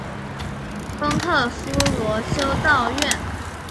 丰特夫罗修道院。